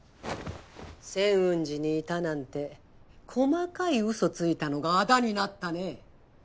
仙雲寺にいたなんて細かい嘘ついたのがあだになったね。